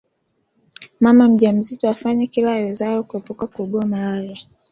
mama mjamzito afanye kila awezalo kuepuka kuugua malaria